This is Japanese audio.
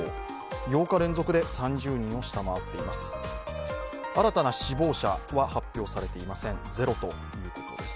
８日連続で３０人を下回っています。